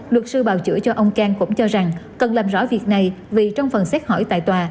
luật sư bào chữa cho ông cang cũng cho rằng cần làm rõ việc này vì trong phần xét hỏi tại tòa